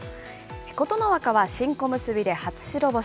琴ノ若は新小結で初白星。